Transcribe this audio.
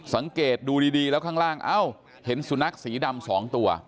สังเกตดูดีแล้วข้างล่างเอ้าเห็นสุนัขสีดำ๒ตัว